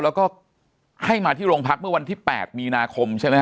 แล้วก็ให้มาที่โรงพักเมื่อวันที่๘มีนาคมใช่ไหมฮ